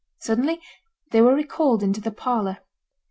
Suddenly they were recalled into the parlour.